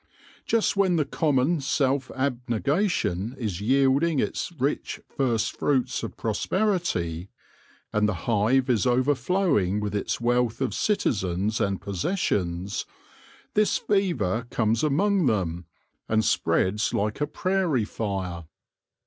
Just when the common self abnegation is yielding its rich first fruits of prosperity, and the hive is overflowing with its wealth of citizens and possessions, this fever comes among them, and spreads like a prairie fire.